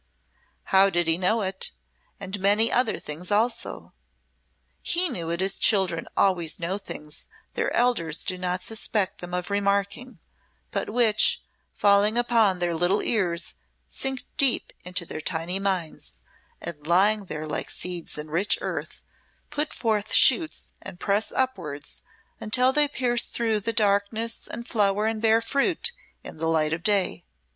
How did he know it and many other things also? He knew it as children always know things their elders do not suspect them of remarking, but which, falling upon their little ears sink deep into their tiny minds, and lying there like seeds in rich earth, put forth shoots and press upwards until they pierce through the darkness and flower and bear fruit in the light of day.